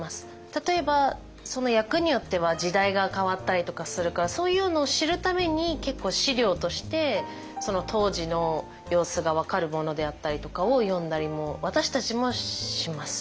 例えばその役によっては時代が変わったりとかするからそういうのを知るために結構資料としてその当時の様子が分かるものであったりとかを読んだりも私たちもします。